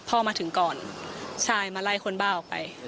มาถึงก่อนใช่มาไล่คนบ้าออกไป